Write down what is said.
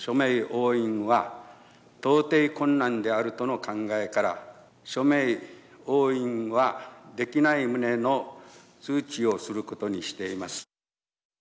押印は到底困難であるとの考えから署名押印はできない旨の通知をすることにしています。